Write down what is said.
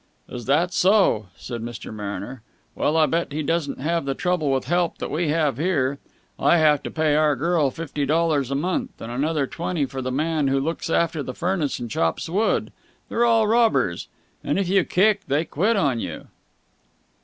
"Is that so?" said Mr. Mariner. "Well, I bet he doesn't have the trouble with help that we have here. I have to pay our girl fifty dollars a month, and another twenty for the man who looks after the furnace and chops wood. They're all robbers. And if you kick they quit on you!"